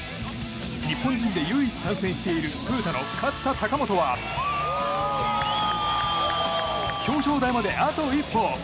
日本人で唯一参戦しているトヨタの勝田貴元は表彰台まであと一歩。